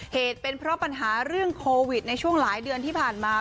เหตุเป็นเพราะปัญหาเรื่องโควิดในช่วงหลายเดือนที่ผ่านมา